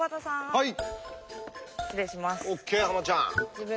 はい。